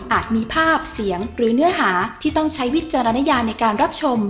มีภาพเสียงหรือเนื้อหาที่ต้องใช้วิจารณญาในการรับชม